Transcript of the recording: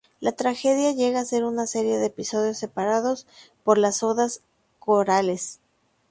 La tragedia llega a ser una serie de episodios separados por las odas corales.